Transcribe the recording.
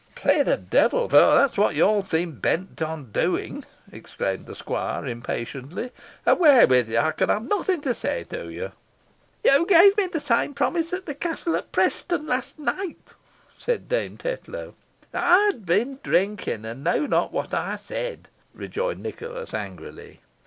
"Play the devil! for that's what you all seem bent upon doing," exclaimed the squire, impatiently. "Away with you! I can have nothing to say to you!" "You gave me the same promise at the Castle at Preston last night," said Dame Tetlow. "I had been drinking, and knew not what I said," rejoined Nicholas, angrily.